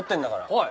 はい。